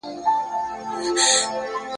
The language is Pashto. چا به ویله چي د حق ستونی به دار وچوي